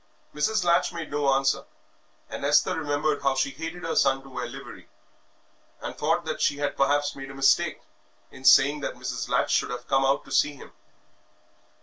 Mrs. Latch made no answer, and Esther remembered how she hated her son to wear livery, and thought that she had perhaps made a mistake in saying that Mrs. Latch should have come out to see him.